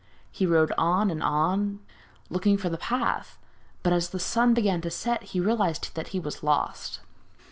He rode on and on, looking for the path, but as the sun began to set he realised that he was lost.